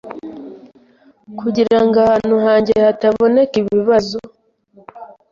kugira ngo ahantu hanjye hataboneka ibibazo